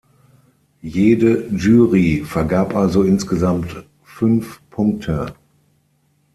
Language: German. Jede Jury vergab also insgesamt fünf Punkte.